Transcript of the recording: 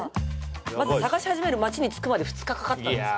まず探し始める町に着くまで２日かかったんですか？